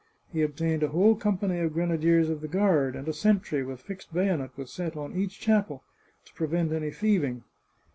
He ob tained a whole company of grenadiers of the guard, and a sentry, with fixed bayonet, was set on each chapel, to prevent any thieving.